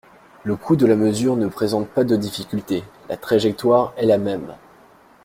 Le coût de la mesure ne présente pas de difficulté : la trajectoire est la même.